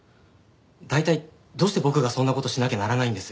大体どうして僕がそんな事しなきゃならないんです？